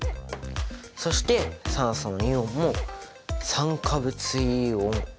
そして酸素のイオンも「酸化物イオン」。